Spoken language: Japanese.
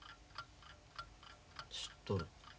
知っとる。